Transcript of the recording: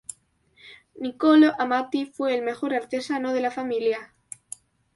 Nicolò Amati fue el mejor artesano de la familia.